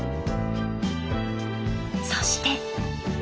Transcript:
そして。